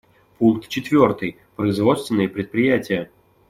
Пункт четвертый: производственные предприятия.